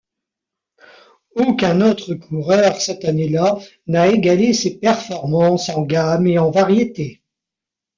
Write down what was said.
Aucun autre coureur cette année-là n'a égalé ses performances en gamme et en variété.